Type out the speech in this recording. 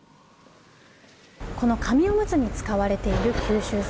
この紙おむつに使われている吸収材。